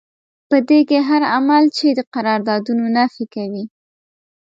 په دې کې هر عمل چې د قراردادونو نفي کوي.